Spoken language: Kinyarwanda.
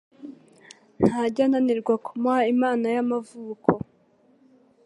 Ntajya ananirwa kumuha impano y'amavuko.